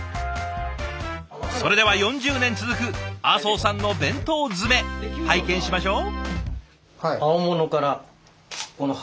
それでは４０年続く阿相さんの弁当詰め拝見しましょう。